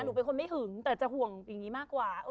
หนูเป็นคนไม่หึงแต่จะห่วงอย่างนี้มากกว่า